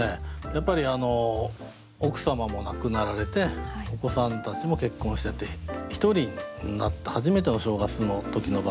やっぱり奥様も亡くなられてお子さんたちも結婚してて１人になった初めての正月の時の場面なんですね。